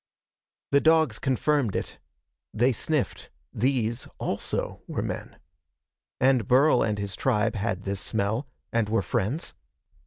The dogs confirmed it. They sniffed. These, also, were men. And Burl and his tribe had this smell, and were friends.